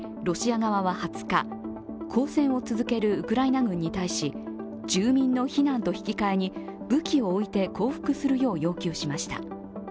ロシア側は２０日抗戦を続けるウクライナ軍に対し住民の避難と引き換えに武器を置いて降伏するよう要求しました。